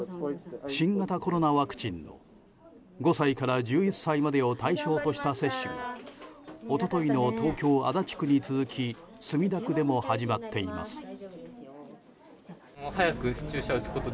新型コロナワクチンの５歳から１１歳までを対象とした接種が一昨日の東京・足立区に続き墨田区でも始まっています。